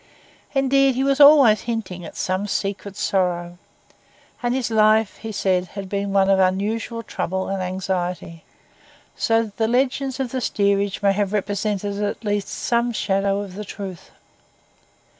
Indeed, he was always hinting at some secret sorrow; and his life, he said, had been one of unusual trouble and anxiety; so the legends of the steerage may have represented at least some shadow of the truth.